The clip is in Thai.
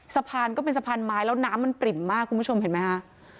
สะพานก็เป็นสะพานไม้แล้วน้ำมันปริ่มมากคุณผู้ชมเห็นไหมคะ